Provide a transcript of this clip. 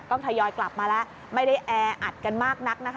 ทยอยกลับมาแล้วไม่ได้แออัดกันมากนักนะคะ